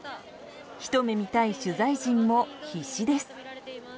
ひと目見たい取材陣も必死です。